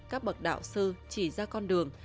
các bậc đạo sư chỉ ra con đường